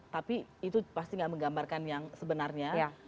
tapi itu pasti gak menggambarkan yang sebenarnya